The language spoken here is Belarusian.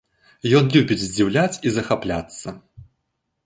Ён любіць здзіўляць і захапляцца.